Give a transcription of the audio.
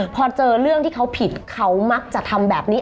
พอเจอเรื่องที่เขาผิดเขามักจะทำแบบนี้